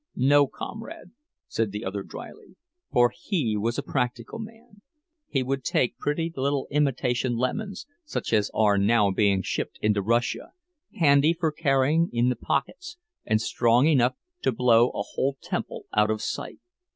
"No, comrade," said the other, dryly, "for he was a practical man. He would take pretty little imitation lemons, such as are now being shipped into Russia, handy for carrying in the pockets, and strong enough to blow a whole temple out of sight."